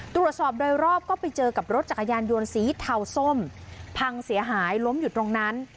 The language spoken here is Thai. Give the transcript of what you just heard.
ตรวจสอบโดยรอบก็ไปเจอกับรถจักรยานยนต์สีเทาส้มพังเสียหายล้มอยู่ตรงนั้น